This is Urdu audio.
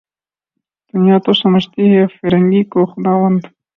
دنیا تو سمجھتی ہے فرنگی کو خداوند